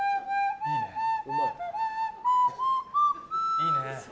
いいね。